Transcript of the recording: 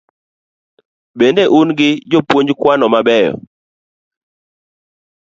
Bende un gi jopuonj kwano mabeyo?